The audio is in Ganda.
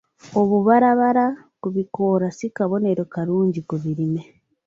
Obubalabala ku bikoola si kabonero kalungi ku birime.